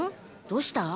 どうした？